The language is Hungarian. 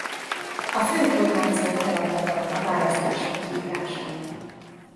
A főkormányzó feladata a választások kiírása.